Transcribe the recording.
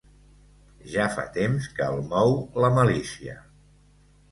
Ja fa temps que el mou la malícia.